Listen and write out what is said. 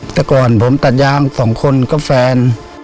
แต่ก่อนผมตัดยางสองคนก็แฟน